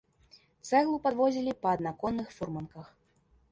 Цэглу падвозілі па аднаконных фурманках.